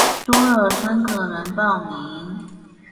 多了三個人報名